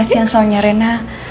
pasien soalnya reina